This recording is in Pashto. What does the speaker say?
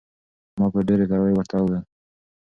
ما په ډېرې کرارۍ ورته وویل.